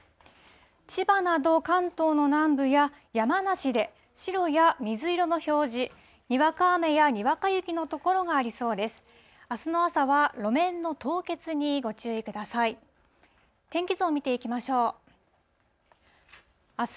千葉など関東の南部や山梨で白や水色の表示、にわか雨やにわか雪の所がありそうです。